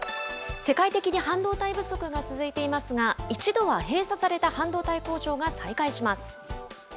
世界的に半導体不足が続いていますが、一度は閉鎖された半導体工場が再開します。